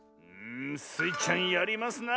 スイちゃんやりますな。